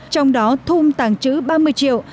trong đó thung tàng trữ ba mươi triệu